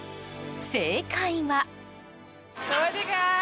正解は。